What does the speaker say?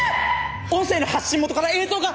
音声の発信元から映像が！